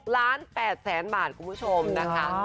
ล้าน๘แสนบาทคุณผู้ชมนะคะ